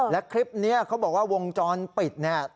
และคลิปนี้เขาบอกว่าวงจรปิดเนี่ย